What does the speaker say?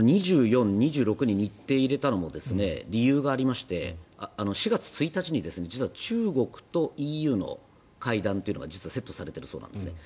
特に２４日、２６日に日程を入れたのも理由がありまして４月１日に実は中国とＥＵの会談というのがセットされているそうなんです。